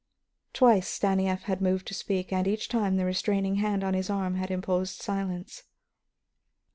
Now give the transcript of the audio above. Twice Stanief had moved to speak, and each time the restraining hand on his arm had imposed silence.